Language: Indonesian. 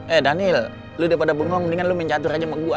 eh daniel lu daripada bengong mendingan lu main catur aja sama gua